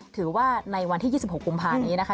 ถือว่าในวันที่๒๖กุมภานี้นะคะ